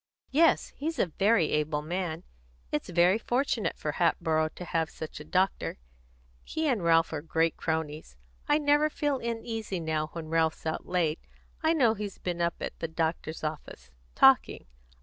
"Yes, he's a very able man. It's very fortunate for Hatboro' to have such a doctor. He and Ralph are great cronies. I never feel uneasy now when Ralph's out late I know he's been up at the doctor's office, talking.